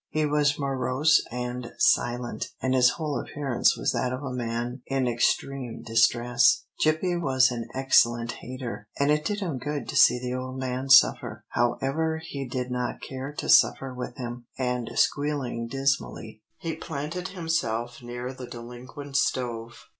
He was morose and silent, and his whole appearance was that of a man in extreme distress. Gippie was an excellent hater, and it did him good to see the old man suffer. However, he did not care to suffer with him, and squealing dismally, he planted himself near the delinquent stove.